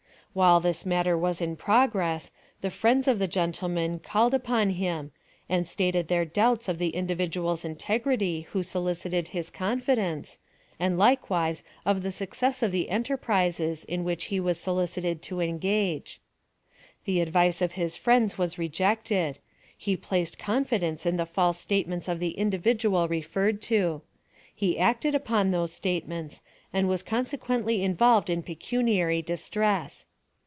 While tiiis matter wa? in progress, the friends of the gentleman called upon him, and stated their doubts of the individual's in tegrity v\^ho solicited his confidence, and likewise of the success of the enterprises in which he was solicited to eniTfaire. The a i vice of Jiis friends was PLAN OF SALVATION. 151 rejected — he placed confidence in the false state ments of the individual referred to — he acted upon those statements, and was consequently involved in pecuniary distress.